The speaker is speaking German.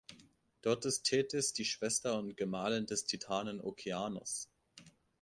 Dort ist Tethys die Schwester und Gemahlin des Titanen Okeanos.